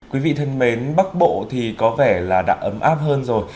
quý vị thân mến bắc bộ thì có vẻ là đã ấm áp hơn rồi